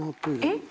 えっ？